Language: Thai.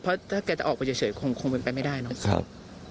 เพราะถ้าแกจะออกไปเฉยคงเป็นไปไม่ได้เนาะ